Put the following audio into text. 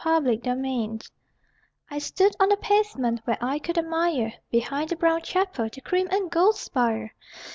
PAUL'S AND WOOLWORTH I stood on the pavement Where I could admire Behind the brown chapel The cream and gold spire.